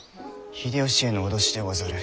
秀吉への脅しでござる。